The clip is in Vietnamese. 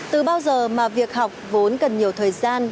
từ bao giờ mà việc học vốn cần nhiều thời gian